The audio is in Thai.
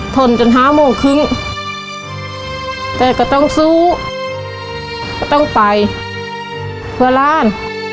ทนจน๕โมงครึ่งแต่ก็ต้องสู้ก็ต้องไปเพื่อหลาน